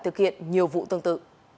thực hiện nhiều vụ tương tự